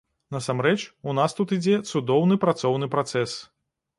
Насамрэч, у нас тут ідзе цудоўны працоўны працэс.